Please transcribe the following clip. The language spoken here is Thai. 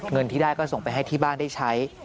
เงินที่ได้ก็ส่งไปให้ที่บ้านได้ใช้